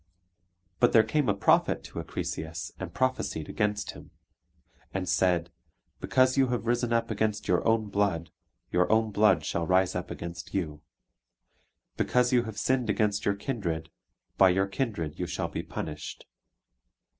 But there came a prophet to Acrisius and prophesied against him, and said, "Because you have risen up against your own blood, your own blood shall rise up against you; because you have sinned against your kindred, by your kindred you shall be punished.